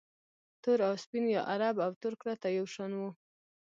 تور او سپین یا عرب او ترک راته یو شان وو